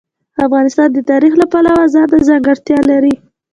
افغانستان د تاریخ د پلوه ځانته ځانګړتیا لري.